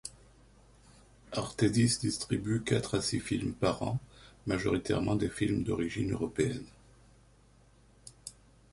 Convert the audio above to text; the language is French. Artédis distribue quatre à six films par an, majoritairement des films d'origine européenne.